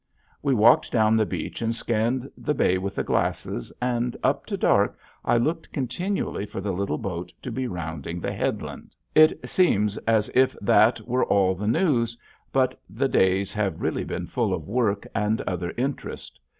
We walked down the beach and scanned the bay with the glasses, and up to dark I looked continually for the little boat to be rounding the headland. [Illustration: ANOTHER OF ROCKWELL'S DRAWINGS] It seems as if that were all the news, but the days have really been full of work and other interest.